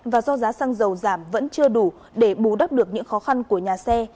và do giá xăng dầu giảm vẫn chưa đủ để bù đắp được những khó khăn của nhà xe